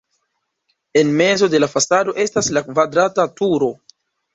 En mezo de la fasado estas la kvadrata turo.